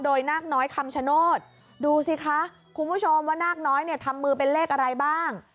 โดยนาคน้อยคำชโนธดูสิคะคุณผู้ชมว่านาคน้อยเนี่ยทำมือเป็นเลขอะไรบ้าง